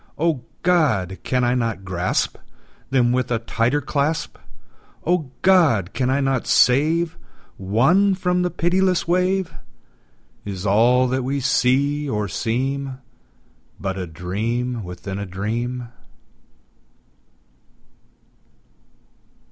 O God! can I not grasp Them with a tighter clasp? O God! can I not save One from the pitiless wave? Is all that we see or seem But a dream within a dream?